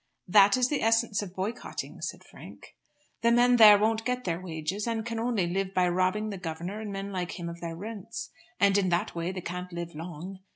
"That is the essence of boycotting," said Frank. "The men there won't get their wages, and can only live by robbing the governor and men like him of their rents. And in that way they can't live long.